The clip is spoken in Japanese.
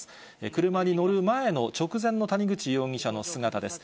車に乗る前の直前の谷口容疑者の姿です。